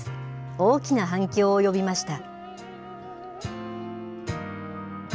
大きな反響を呼びました。